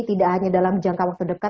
tidak hanya dalam jangka waktu dekat